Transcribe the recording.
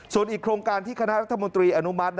ส่วนอีกโครงการที่คณะรัฐมนตรีอนุมัติ